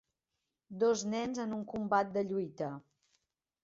Dos nens en un combat de lluita.